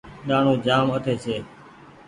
ڏآڻو جآم اٺي ڇي۔